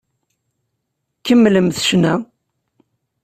Kemmlemt ccna!